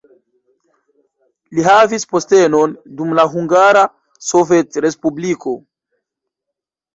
Li havis postenon dum la Hungara Sovetrespubliko.